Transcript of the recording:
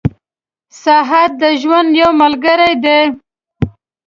• ساعت د ژوند یو ملګری دی.